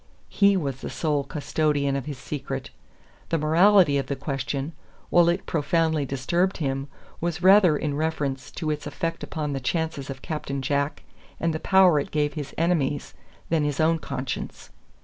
HE was the sole custodian of his secret. The morality of the question, while it profoundly disturbed him, was rather in reference to its effect upon the chances of Captain Jack and the power it gave his enemies than his own conscience.